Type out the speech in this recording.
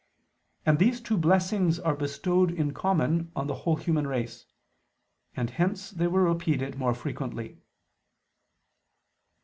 And these two blessings are bestowed in common on the whole human race; and hence they were repeated more frequently.